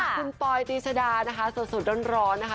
คุณปอยตีชดานะคะสดร้อนนะคะ